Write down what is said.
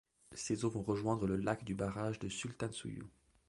Ses eaux vont rejoindre le lac du barrage de Sultansuyu.